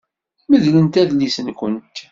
Medlemt adlis-nkent.